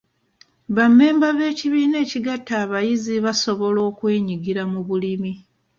Bammemba b'ekibiina ekigatta abayizi basobola okwenyigira mu bulimi.